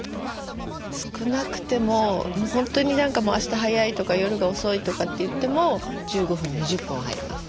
少なくても本当に何かもうあした早いとか夜が遅いとかっていっても１５分２０分は入ります。